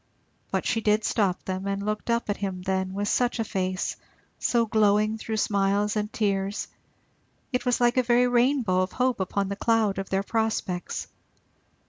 But she did stop them, and looked up at him then with such a face so glowing through smiles and tears it was like a very rainbow of hope upon the cloud of their prospects.